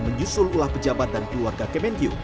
menyusul ulah pejabat dan keluarga kemenkyu